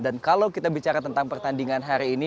dan kalau kita bicara tentang pertandingan hari ini